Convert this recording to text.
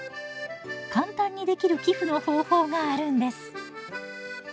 簡単にできる寄付の方法があるんです。